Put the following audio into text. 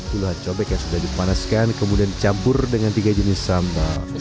puluhan cobek yang sudah dipanaskan kemudian dicampur dengan tiga jenis sambal